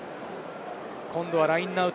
今度はラインアウト。